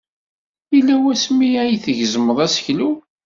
Yella wasmi ay tgezmeḍ aseklu?